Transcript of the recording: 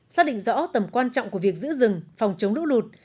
xác định rõ tầm quan trọng của việc giữ rừng phòng chống lũ lụt